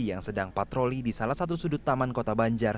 yang sedang patroli di salah satu sudut taman kota banjar